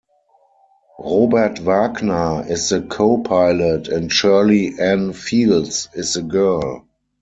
Robert Wagner is the co-pilot and Shirley Anne Fields is the girl.